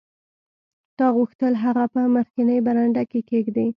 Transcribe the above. تا غوښتل هغه په مخکینۍ برنډه کې کیږدې